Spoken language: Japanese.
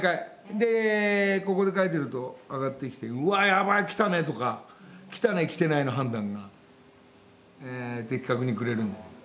でここで描いてると上がってきて「うわっやばいきたね」とか「きたね」「きてない」の判断が的確にくれるんで。